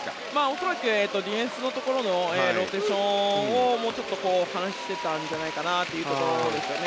恐らくディフェンスのところのローテーションをちょっと話してたんじゃないかなというところですね。